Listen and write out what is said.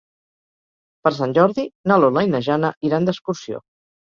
Per Sant Jordi na Lola i na Jana iran d'excursió.